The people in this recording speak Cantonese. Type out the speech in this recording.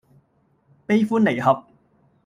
悲歡離合